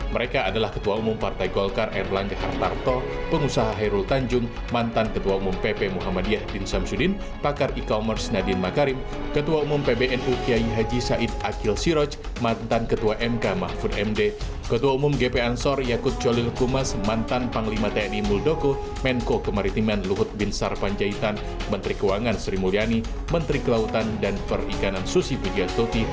mereka adalah ketua umum partai golkar erlang jakarta rto pengusaha hairul tanjung mantan ketua umum pp muhammadiyah din samsudin pakar e commerce nadin makarim ketua umum pbnu kiai haji said akil siroj mantan ketua mk mahfud md ketua umum gp ansor yakut jolil kumas mantan panglima tni muldoko menko kemaritiman luhut bin sar panjaitan menteri keuangan sri mulyani menteri kelautan dan perikanan susi bidya stoti